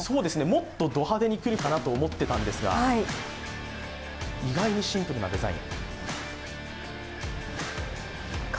もっとド派手に来るかなと思っていたんですが、意外にシンプルなデザイン。